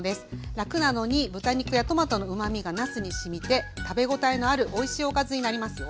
らくなのに豚肉やトマトのうまみがなすにしみて食べ応えのあるおいしいおかずになりますよ。